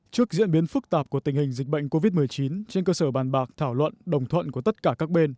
trước diễn biến phức tạp của tình hình dịch bệnh covid một mươi chín trên cơ sở bàn bạc thảo luận đồng thuận của tất cả các bên